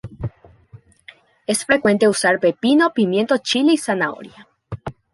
Es frecuente usar pepino, pimiento chile y zanahoria.